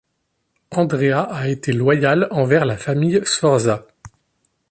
Andrea a été loyal envers la famille Sforza.